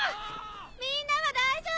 みんなは大丈夫？